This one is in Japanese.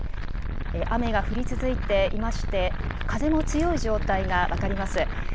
雨が降り続いていまして、風も強い状態が分かります。